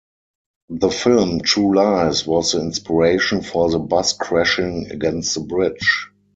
The film "True Lies" was the inspiration for the bus crashing against the bridge.